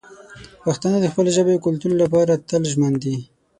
پښتانه د خپلې ژبې او کلتور لپاره تل ژمن دي.